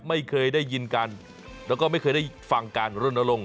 ไม่เคยได้ยินกันแล้วก็ไม่เคยได้ฟังการรณรงค